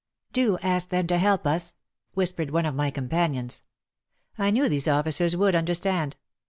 " Do ask them to help us," whispered one of my companions. I knew these officers would understand.